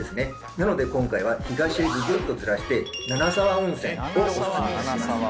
なので今回は東へググっとズラして七沢温泉をお薦めいたします。